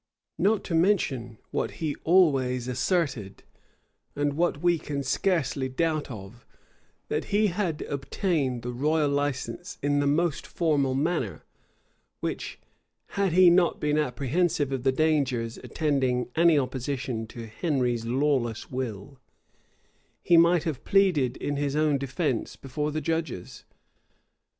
Not to mention what he always asserted,[*] and what we can scarcely doubt of, that he had obtained the royal license in the most formal manner, which, had he not been apprehensive of the dangers attending any opposition to Henry's lawless will, he might have pleaded in his own defence before the judges.